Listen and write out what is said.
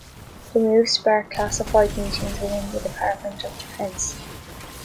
The move sparked classified meetings within the Department of Defense.